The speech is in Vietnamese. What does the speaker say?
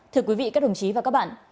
thưa quý vị các đồng chí và các bạn